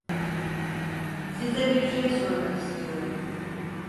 Size bir şey sormak istiyorum.